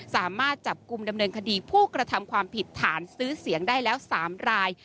สามารถจับกลุ่มดำเนินคดีผู้กระทำความผิดฐานซื้อเสียงได้แล้ว๓ราย